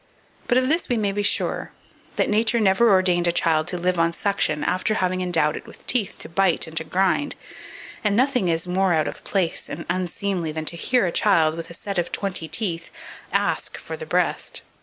But of this we may be sure, that Nature never ordained a child to live on suction after having endowed it with teeth to bite and to grind; and nothing is more out of place and unseemly than to hear a child, with a set of twenty teeth, ask for "the breast."